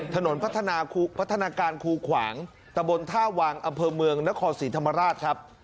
ถนนพัฒนาพัฒนาการคูขวางตะบนท่าวังอำเภอเมืองนครศรีธรรมราชครับ